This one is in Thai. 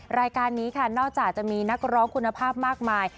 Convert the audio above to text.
รายการนี้ค่ะนอกจากจะมีนักร้องคุณภาพมากมาย